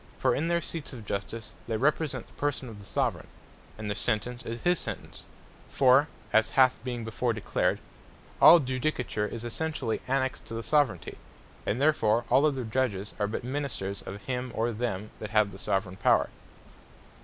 For in their Seats of Justice they represent the person of the Soveraign; and their Sentence, is his Sentence; For (as hath been before declared) all Judicature is essentially annexed to the Soveraignty; and therefore all other Judges are but Ministers of him, or them that have the Soveraign Power.